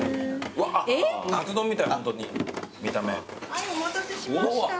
はいお待たせしました。